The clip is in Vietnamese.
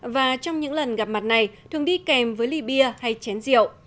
và trong những lần gặp mặt này thường đi kèm với ly bia hay chén rượu